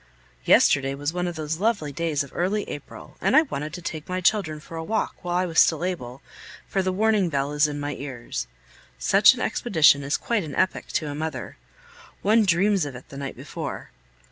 Yesterday was one of those lovely days of early April, and I wanted to take my children for a walk, while I was still able for the warning bell is in my ears. Such an expedition is quite an epic to a mother! One dreams of it the night before!